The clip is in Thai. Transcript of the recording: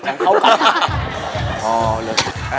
กับเขาก็ได้